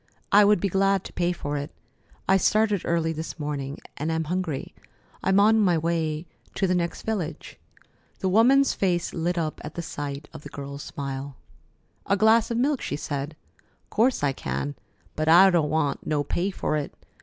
"I would be glad to pay for it. I started early this morning, and am hungry. I'm on my way to the next village." The woman's face lit up at the sight of the girl's smile. "A glass of milk?" she said. "'Course I can, but I don't want no pay for it.